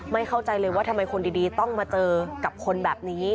เข้าใจเลยว่าทำไมคนดีต้องมาเจอกับคนแบบนี้